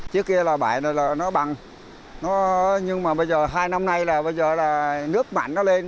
trước kia là bãi nó bằng nhưng mà bây giờ hai năm nay là bây giờ là nước mặn nó lên